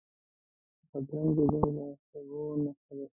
بادرنګ د ژمي له سبو نه دی.